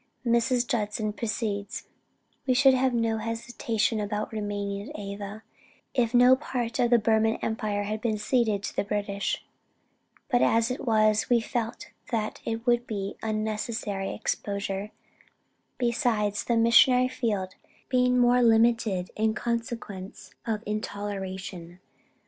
Mrs. Judson proceeds: "We should have had no hesitation about remaining at Ava, if no part of the Burman empire had been ceded to the British. But as it was, we felt that it would be unnecessary exposure, besides the missionary field being more limited in consequence of intoleration.